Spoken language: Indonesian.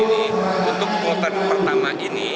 ini untuk kloter pertama ini